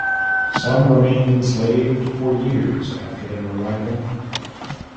Some remained enslaved for years after their arrival.